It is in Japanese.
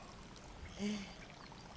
ええ。